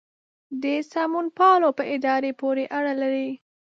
د سمونپالو په ارادې پورې اړه لري.